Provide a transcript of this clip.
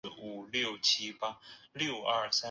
小脚筒兰为兰科绒兰属下的一个种。